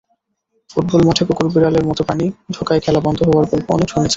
Football মাঠে কুকুর-বিড়ালের মতো প্রাণী ঢোকায় খেলা বন্ধ হওয়ার গল্প অনেক শুনেছেন।